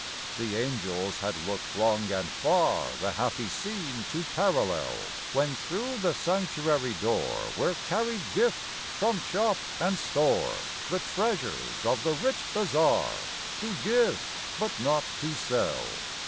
The angels had looked long and far The happy scene to parallel, When through the sanctuary door Were carried gifts from shop and store, The treasures of the rich bazaar, To give but not to sell.